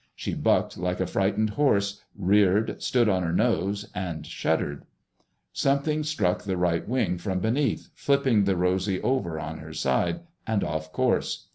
She bucked like a frightened horse, reared, stood on her nose, and shuddered. Something struck the right wing from beneath, flipping the Rosy over on her side, and off course.